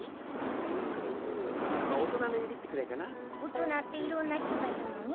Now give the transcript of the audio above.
うん大人の指ってくらいかな大人って色んな人がいるのに？